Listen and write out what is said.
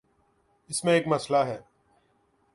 اس میں ایک مسئلہ ہے۔